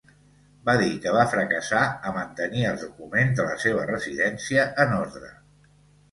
Va dir que va fracassar a mantenir els documents de la seva residència en ordre.